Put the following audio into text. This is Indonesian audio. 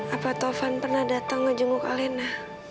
apa taufan pernah datang ngejenguk alena